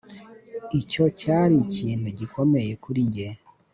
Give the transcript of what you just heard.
Icyo cyari ikintu gikomeye kuri njye